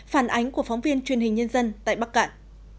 phản ánh của phóng viên truyền hình nhân dân tại bắc cạn